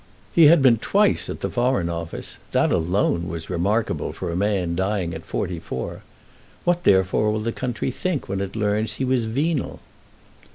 He had been twice at the Foreign Office; that alone was remarkable for a man dying at forty four. What therefore will the country think when it learns he was venal?"